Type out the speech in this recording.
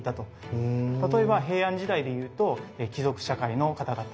例えば平安時代でいうと貴族社会の方々。